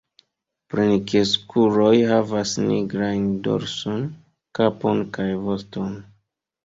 Plenkreskuloj havas nigrajn dorson, kapon kaj voston.